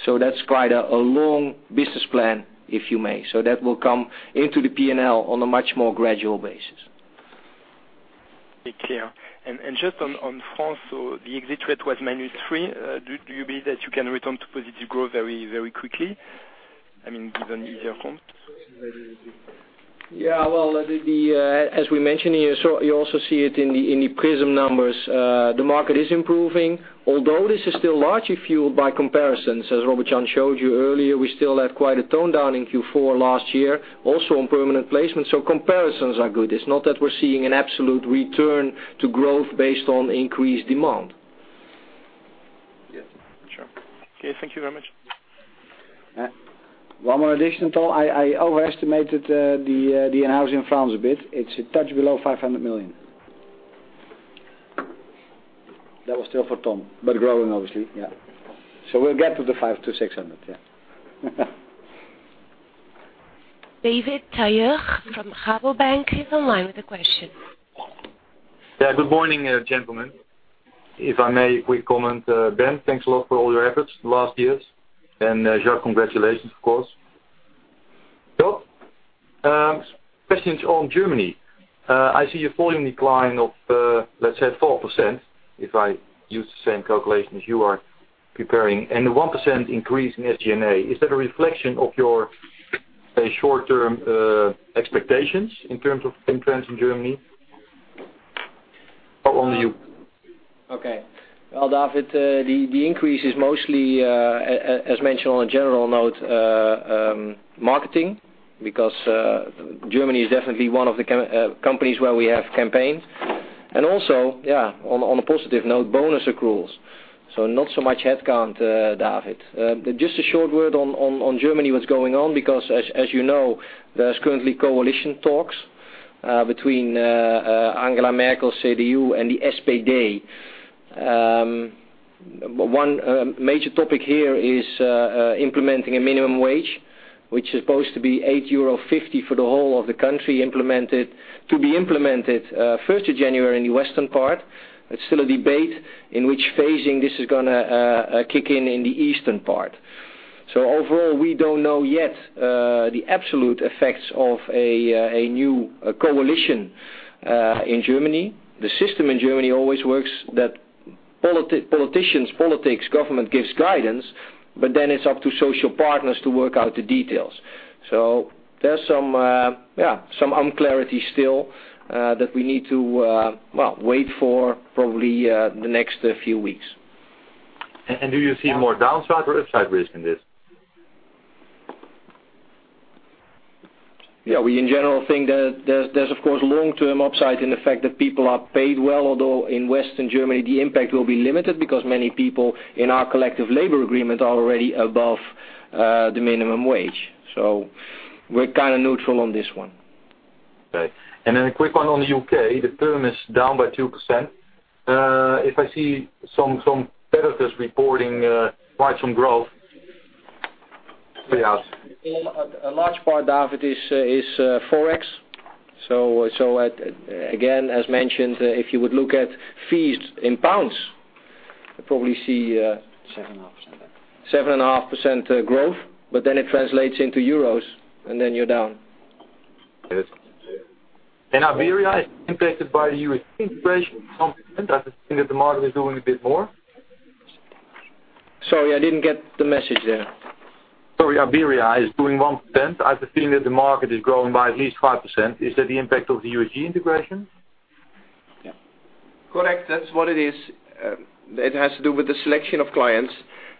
That's quite a long business plan, if you may. That will come into the P&L on a much more gradual basis. Okay. Just on France, the exit rate was minus 3%. Do you believe that you can return to positive growth very quickly? Given easier comps? Yeah. As we mentioned here, you also see it in the Prism'emploi numbers. The market is improving, although this is still largely fueled by comparisons. As Robert Jan showed you earlier, we still had quite a tone-down in Q4 last year, also on permanent placement. Comparisons are good. It is not that we are seeing an absolute return to growth based on increased demand. Yeah, sure. Okay, thank you very much. One more addition, [though]. I overestimated the in-house in France a bit. It is a touch below 500 million. That was still for Tom, but growing obviously, yeah. We will get to the 500 million-600 million, yeah. David Tailleur from Rabobank is online with a question. Yeah, good morning, gentlemen. If I may, a quick comment. Ben, thanks a lot for all your efforts the last years. Sjaak, congratulations, of course. Questions on Germany. I see a volume decline of, let's say, 4%, if I use the same calculation as you are preparing, and a 1% increase in SG&A. Is that a reflection of your, say, short-term expectations in terms of trends in Germany? Paul, on to you. Okay. Well, David, the increase is mostly, as mentioned on a general note, marketing, because Germany is definitely one of the companies where we have campaigned. Also, on a positive note, bonus accruals. Not so much headcount, David. Just a short word on Germany, what's going on, because as you know, there's currently coalition talks between Angela Merkel, CDU, and the SPD. One major topic here is implementing a minimum wage, which is supposed to be 8.50 euro for the whole of the country, to be implemented 1st of January in the western part. It's still a debate in which phasing this is going to kick in in the eastern part. Overall, we don't know yet the absolute effects of a new coalition in Germany. The system in Germany always works that politicians, politics, government gives guidance, then it's up to social partners to work out the details. There's some unclarity still that we need to wait for probably the next few weeks. Do you see more downside or upside risk in this? Yeah, we in general think there's of course long-term upside in the fact that people are paid well. Although in Western Germany, the impact will be limited because many people in our collective labor agreement are already above the minimum wage. We're kind of neutral on this one. Okay. A quick one on the U.K. The perm is down by 2%. If I see some competitors reporting quite some growth. A large part, David, is Forex. Again, as mentioned, if you would look at fees in pounds, you probably see- 7.5% 7.5% growth, it translates into Euros, you're down. Got it. In Iberia, is it impacted by the USG integration to some extent? I think that the market is doing a bit more. Sorry, I didn't get the message there. Sorry, Iberia is doing 1%. I've seen that the market is growing by at least 5%. Is that the impact of the USG integration? Yeah. Correct. That's what it is. It has to do with the selection of clients.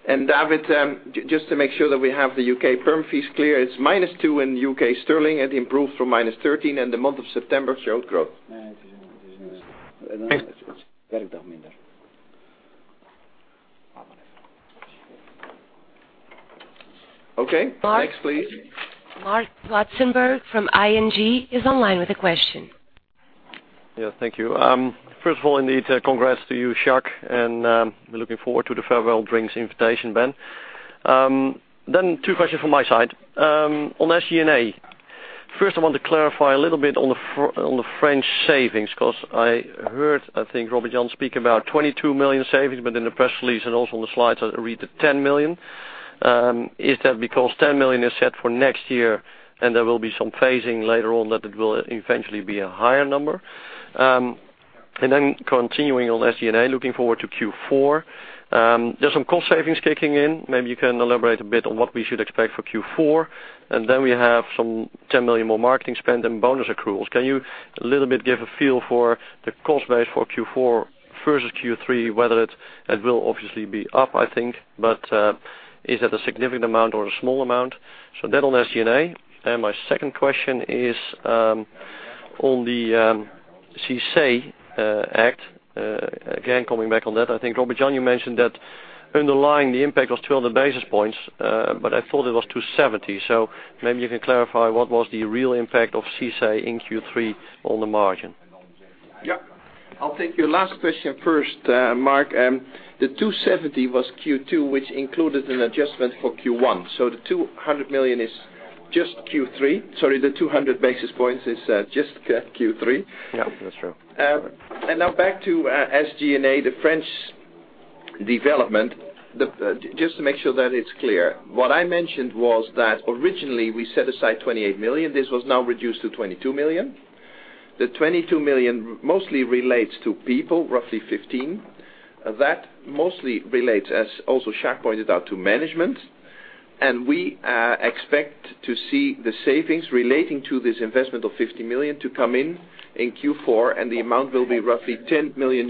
David, just to make sure that we have the U.K. perm fees clear, it's -2 in U.K. sterling. It improved from -13 in the month of September, showed growth. Okay. Next, please. Marc Zwartsenburg from ING is online with a question. Yeah, thank you. First of all, indeed, congrats to you, Sjaak, and we're looking forward to the farewell drinks invitation, Ben. Two questions from my side. On SG&A, first, I want to clarify a little bit on the French savings, because I heard, I think, Robert Jan speak about 22 million savings, but in the press release and also on the slides, I read 10 million. Is that because 10 million is set for next year and there will be some phasing later on, that it will eventually be a higher number? Continuing on SG&A, looking forward to Q4, there's some cost savings kicking in. Maybe you can elaborate a bit on what we should expect for Q4. We have some 10 million more marketing spend and bonus accruals. Can you, a little bit, give a feel for the cost base for Q4 versus Q3, whether it will obviously be up, I think, but is that a significant amount or a small amount? So that on SG&A. My second question is on the CICE Act, again, coming back on that, I think, Robert Jan, you mentioned that underlying the impact was 200 basis points, but I thought it was 270. So maybe you can clarify what was the real impact of CICE Act in Q3 on the margin. I'll take your last question first, Marc. The 270 was Q2, which included an adjustment for Q1. The 200 basis points is just Q3. Yeah, that's true. Now back to SG&A, the French development. Just to make sure that it's clear, what I mentioned was that originally we set aside 28 million. This was now reduced to 22 million. The 22 million mostly relates to people, roughly 15. That mostly relates, as also Jaak pointed out, to management, and we expect to see the savings relating to this investment of 15 million to come in in Q4, and the amount will be roughly €10 million.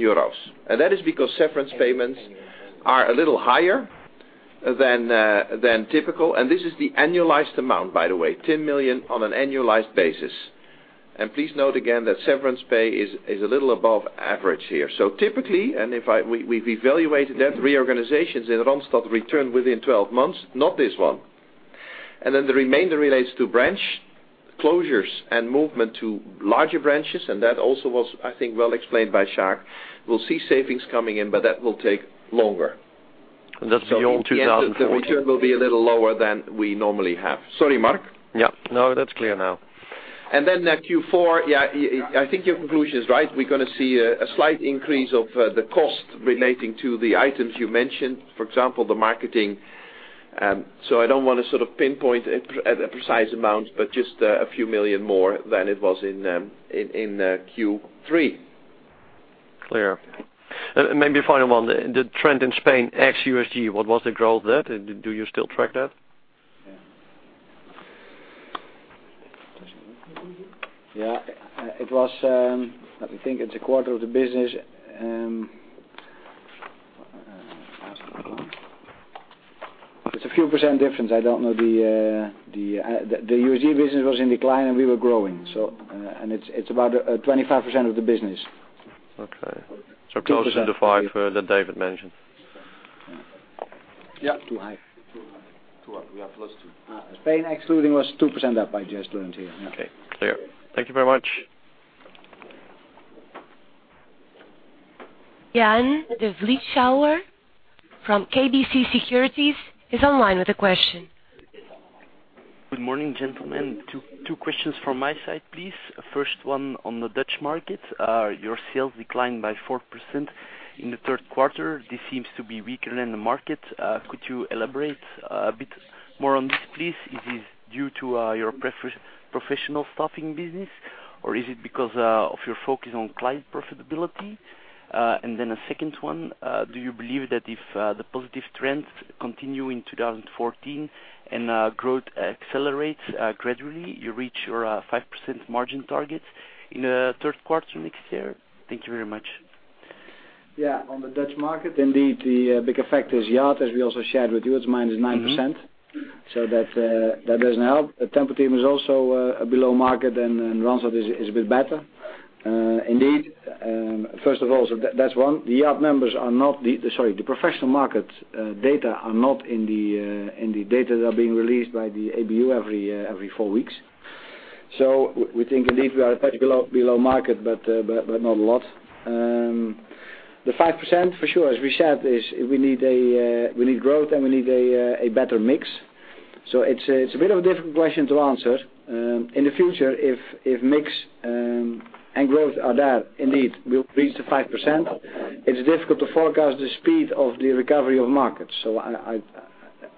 That is because severance payments are a little higher than typical. This is the annualized amount, by the way, 10 million on an annualized basis. Please note again that severance pay is a little above average here. So typically, and if we've evaluated that, reorganizations in Randstad return within 12 months, not this one. The remainder relates to branch closures and movement to larger branches. That also was, I think, well explained by Jaak. We'll see savings coming in, but that will take longer. That's the whole 2014. The return will be a little lower than we normally have. Sorry, Marc. Yeah, no, that's clear now. Q4, yeah, I think your conclusion is right. We're going to see a slight increase of the cost relating to the items you mentioned, for example, the marketing. I don't want to pinpoint a precise amount, but just a few million more than it was in Q3. Clear. Maybe a final one. The trend in Spain, ex-USG, what was the growth there? Do you still track that? It was, let me think. It's a quarter of the business. It's a few % difference. I don't know. The USG business was in decline, and we were growing. And it's about 25% of the business. Okay. Closer to five that David mentioned. Yeah. Too high. Too high. Too high. We are plus two. Spain excluding was 2% up, I just learned here. Yeah. Okay. Clear. Thank you very much. Jan de Vleeschauwer from KBC Securities is online with a question. Good morning, gentlemen. Two questions from my side, please. First one on the Dutch market. Your sales declined by 4% in the third quarter. This seems to be weaker than the market. Could you elaborate a bit more on this, please? Is this due to your professional staffing business, or is it because of your focus on client profitability? A second one, do you believe that if the positive trends continue in 2014 and growth accelerates gradually, you reach your 5% margin target in the third quarter next year? Thank you very much. On the Dutch market, indeed, the big effect is Yacht, as we also shared with you. It's -9%. That doesn't help. Tempo-Team is also below market, and Randstad is a bit better. Indeed. First of all, that's one. The Yacht members are not the professional market data are not in the data that are being released by the ABU every four weeks. We think indeed we are a touch below market, but not a lot. The 5%, for sure, as we said, is we need growth, and we need a better mix. It's a bit of a difficult question to answer. In the future, if mix and growth are there, indeed, we'll reach the 5%. It's difficult to forecast the speed of the recovery of markets.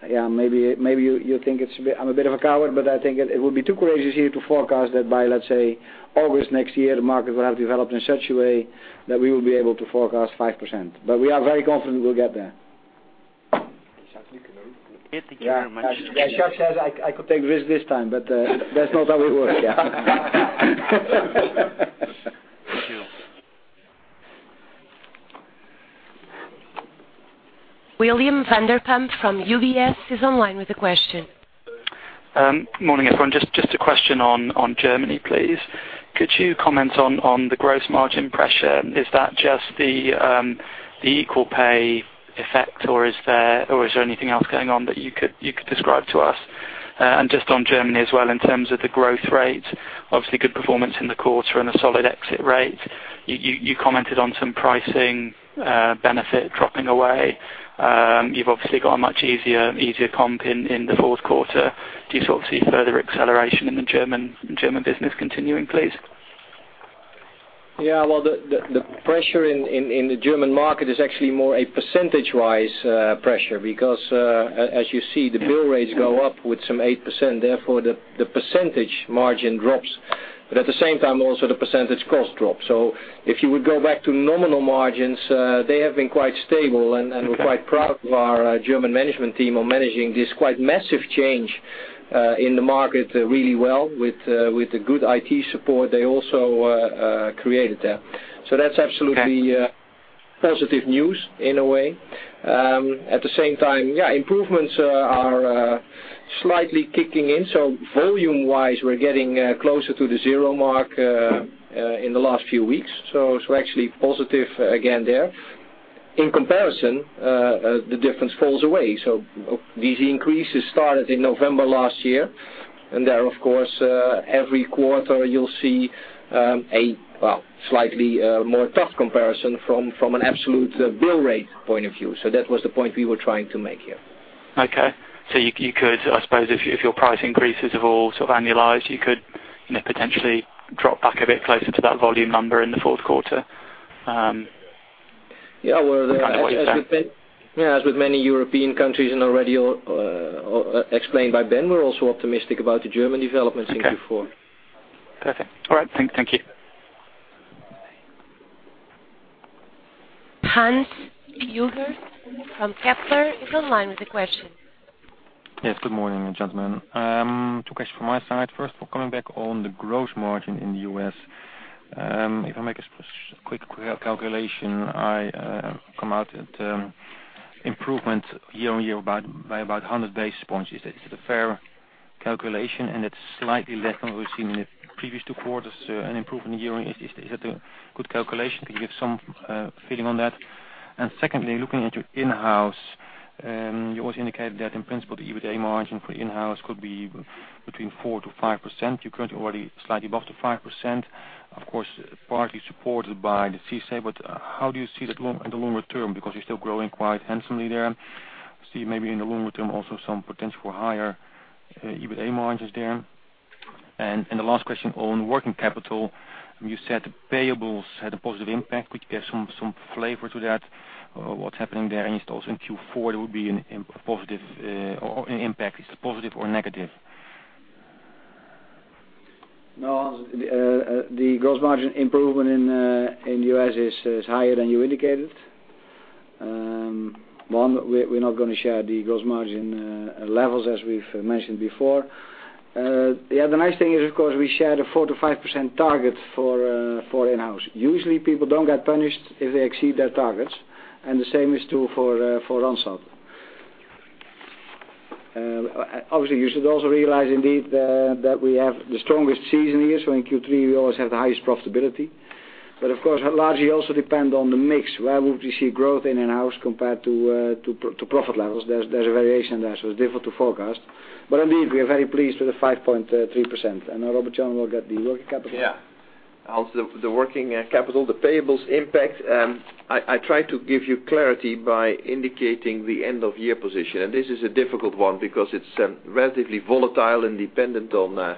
Maybe you think I'm a bit of a coward, but I think it would be too courageous here to forecast that by, let's say, August next year, the market will have developed in such a way that we will be able to forecast 5%. We are very confident we'll get there. Sjaak says I could take risk this time, but that's not how we work. Thank you. William Vanderpump from UBS is online with a question. Morning, everyone. Just a question on Germany, please. Could you comment on the gross margin pressure? Is that just the equal pay effect, or is there anything else going on that you could describe to us? Just on Germany as well, in terms of the growth rate, obviously good performance in the quarter and a solid exit rate. You commented on some pricing benefit dropping away. You've obviously got a much easier comp in the fourth quarter. Do you see further acceleration in the German business continuing, please? Well, the pressure in the German market is actually more a percentage-wise pressure because, as you see, the bill rates go up with some 8%. Therefore, the percentage margin drops. At the same time, also the percentage cost drops. If you would go back to nominal margins, they have been quite stable, and we're quite proud of our German management team on managing this quite massive change in the market really well with the good IT support they also created there. That's absolutely positive news in a way. At the same time, improvements are slightly kicking in. Volume wise, we're getting closer to the zero mark in the last few weeks. Actually positive again there. In comparison, the difference falls away. These increases started in November last year, and there, of course, every quarter you'll see a slightly more tough comparison from an absolute bill rate point of view. That was the point we were trying to make here. You could, I suppose, if your price increases have all sort of annualized, you could potentially drop back a bit closer to that volume number in the fourth quarter. As with many European countries, and already explained by Ben, we're also optimistic about the German development since Q4. Okay. Perfect. All right. Thank you. Hans Pluijgers from Kepler is online with a question. Yes. Good morning, gentlemen. Two questions from my side. First of all, coming back on the gross margin in the U.S. If I make a quick calculation, I come out at improvement year-over-year by about 100 basis points. Is that a fair calculation? It's slightly less than what we've seen in the previous two quarters, an improvement year on. Is that a good calculation? Can you give some feeling on that? Secondly, looking at your in-house, you always indicated that in principle, the EBITA margin for in-house could be between 4%-5%. You're currently already slightly above the 5%, of course, partly supported by the CICE. How do you see that in the longer term? Because you're still growing quite handsomely there. See maybe in the longer term, also some potential higher EBITA margins there. The last question on working capital, you said payables had a positive impact. Could you give some flavor to that? What's happening there? Also in Q4, there will be an impact. Is it positive or negative? No, Hans. The gross margin improvement in the U.S. is higher than you indicated. One, we're not going to share the gross margin levels, as we've mentioned before. The other nice thing is, of course, we shared a 4%-5% target for in-house. Usually, people don't get punished if they exceed their targets, and the same is true for Randstad. Obviously, you should also realize indeed that we have the strongest season here. In Q3, we always have the highest profitability. Of course, largely also depend on the mix, where would we see growth in in-house compared to profit levels? There's a variation there, so it's difficult to forecast. Indeed, we are very pleased with the 5.3%. Robert Jan will get the working capital. Hans, the working capital, the payables impact. I tried to give you clarity by indicating the end-of-year position. This is a difficult one because it's relatively volatile and dependent on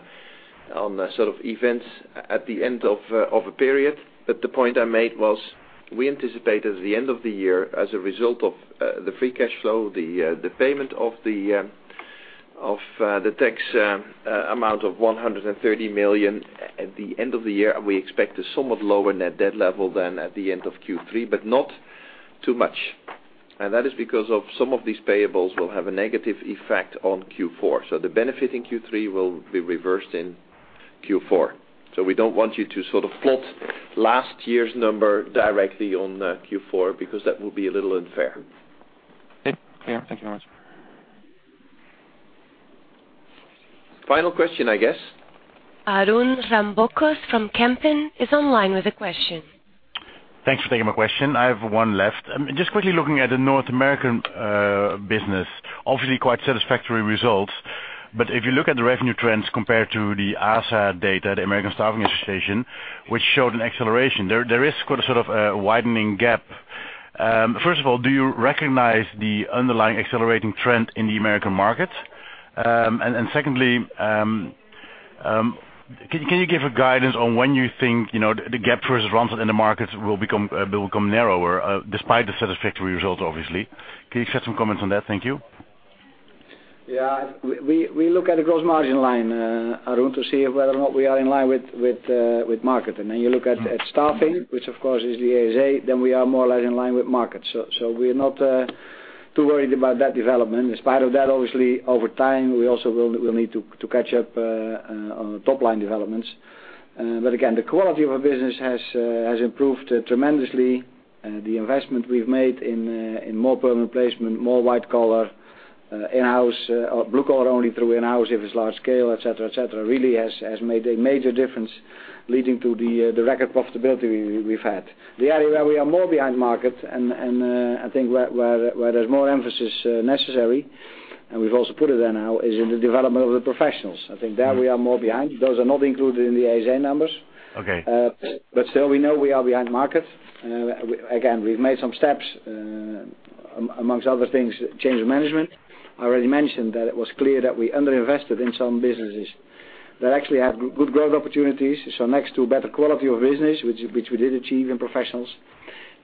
events at the end of a period. The point I made was, we anticipate at the end of the year, as a result of the free cash flow, the payment of the tax amount of 130 million at the end of the year, and we expect a somewhat lower net debt level than at the end of Q3, but not too much. That is because of some of these payables will have a negative effect on Q4. The benefit in Q3 will be reversed in Q4. We don't want you to plot last year's number directly on Q4 because that will be a little unfair. Okay. Thank you very much. Final question, I guess. Arun Rambocus from Kempen is online with a question. Thanks for taking my question. I have one left. Just quickly looking at the North American business, obviously quite satisfactory results. If you look at the revenue trends compared to the ASA data, the American Staffing Association, which showed an acceleration, there is quite a sort of widening gap. First of all, do you recognize the underlying accelerating trend in the American market? Secondly, can you give a guidance on when you think the gap versus Randstad in the market will become narrower despite the satisfactory results, obviously. Can you shed some comments on that? Thank you. We look at the gross margin line, Arun, to see whether or not we are in line with market. Then you look at staffing, which of course is the ASA, then we are more or less in line with market. We are not too worried about that development. In spite of that, obviously, over time, we also will need to catch up on the top-line developments. Again, the quality of our business has improved tremendously. The investment we have made in more permanent placement, more white collar, in-house, blue collar only through in-house if it is large scale, et cetera, really has made a major difference, leading to the record profitability we have had. The area where we are more behind market, and I think where there is more emphasis necessary, and we have also put it there now, is in the development of the professionals. I think there we are more behind. Those are not included in the ASA numbers. Okay. Still, we know we are behind market. Again, we have made some steps, amongst other things, change of management. I already mentioned that it was clear that we under-invested in some businesses that actually had good growth opportunities. Next to better quality of business, which we did achieve in professionals,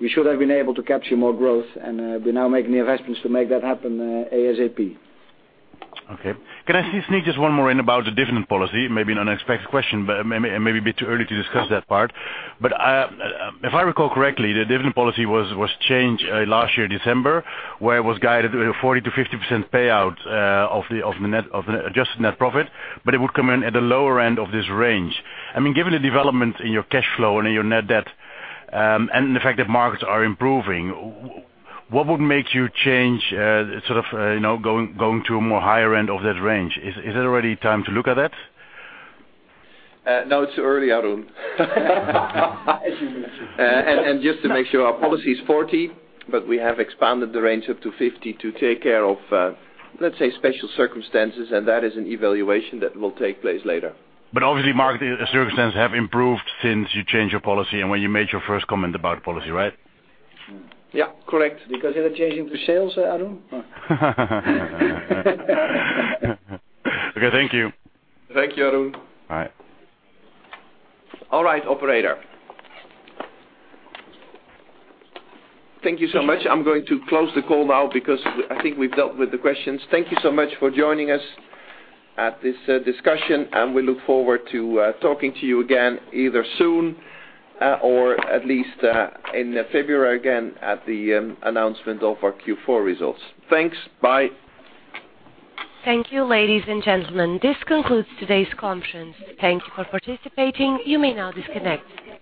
we should have been able to capture more growth, and we are now making the investments to make that happen ASAP. Can I sneak just one more in about the dividend policy? Maybe an unexpected question, a bit too early to discuss that part. If I recall correctly, the dividend policy was changed last year, December, where it was guided with a 40%-50% payout of the adjusted net profit, but it would come in at the lower end of this range. Given the development in your cash flow and in your net debt, and the fact that markets are improving, what would make you change, going to a more higher end of that range? Is it already time to look at that? No, it's early, Arun. Just to make sure, our policy is 40, but we have expanded the range up to 50 to take care of, let's say, special circumstances, and that is an evaluation that will take place later. Obviously market circumstances have improved since you changed your policy and when you made your first comment about policy, right? Yeah, correct. Because they are changing to sales, Arun. Okay. Thank you. Thank you, Arun. Bye. All right, operator. Thank you so much. I'm going to close the call now because I think we've dealt with the questions. Thank you so much for joining us at this discussion. We look forward to talking to you again either soon or at least in February again at the announcement of our Q4 results. Thanks. Bye. Thank you, ladies and gentlemen. This concludes today's conference. Thank you for participating. You may now disconnect.